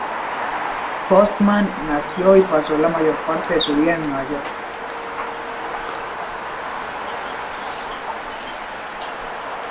Postman nació y pasó la mayor parte de su vida en Nueva York.